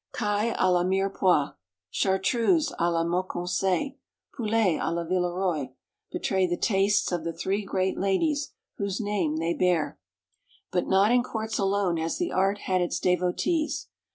Cailles à la Mirepois, Chartreuse à la Mauconseil, Poulets à la Villeroy, betray the tastes of the three great ladies whose name they bear. But not in courts alone has the art had its devotees.